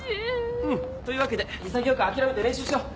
うん。というわけで潔くあきらめて練習しよう。